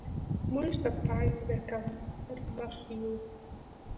موږ د پانګې د کمبود سره مخ یو.